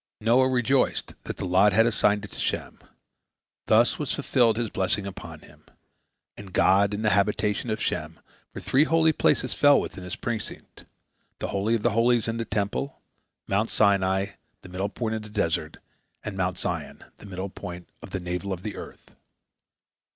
Noah rejoiced that the lot had assigned it to Shem. Thus was fulfilled his blessing upon him, "And God in the habitation of Shem," for three holy places fell within his precincts—the Holy of Holies in the Temple, Mount Sinai, the middle point of the desert, and Mount Zion, the middle point of the navel of the earth.